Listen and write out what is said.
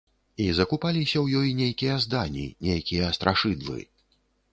І закупаліся ў ёй нейкія здані, нейкія страшыдлы.